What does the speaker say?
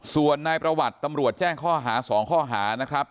ส่วนนายประวัติตำรวจแจ้งข้อหา๒ข้อหานะครับ